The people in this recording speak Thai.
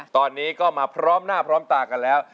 ตอนนี้ก็มาพร้อมหน้าพร้อมตากันแล้ว